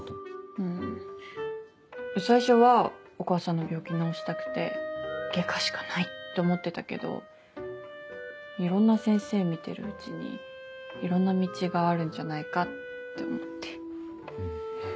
うん最初はお母さんの病気治したくて外科しかないって思ってたけどいろんな先生見てるうちにいろんな道があるんじゃないかって思って。